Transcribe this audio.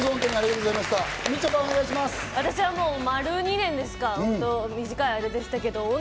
私は丸２年ですか、短い間でしたけど。